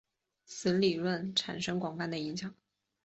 此理论产生广泛的影响。